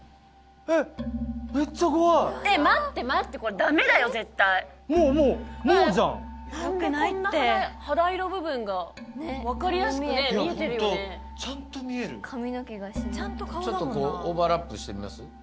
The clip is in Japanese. えっメッチャ怖い待って待ってこれダメだよ絶対もうもうもうじゃん肌色部分が分かりやすくね見えてるよねちゃんと見えるちょっとオーバーラップしてみます？